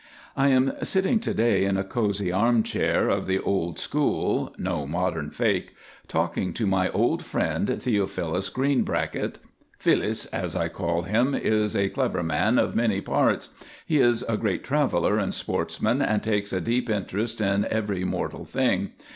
I am sitting to day in a cosy armchair (of the old school, no modern fake) talking to my old friend, Theophilus Greenbracket. Filus, as I call him, is a clever man of many parts; he is a great traveller and sportsman, and takes a deep interest in every mortal thing.